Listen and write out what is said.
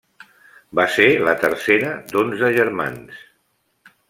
Va ser la tercera d'onze germans.